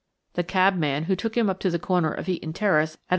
The cabman who took him up to the corner of Eaton Terrace at 11.